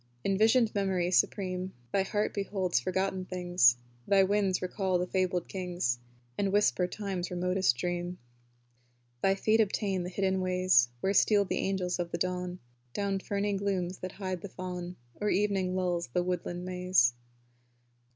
In visioned memory supreme, Thy heart beholds forgotten things; Thy winds recall the fabled kings And whisper Time's remotest dream. 38 TO IMAGINATION. Thy feet obtain the hidden ways Where steal the angels of the dawn Down ferny glooms that hide the fawn, Or evening lulls the woodland maze.